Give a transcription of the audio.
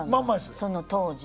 その当時の。